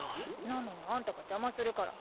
なのにあんたが邪魔するから。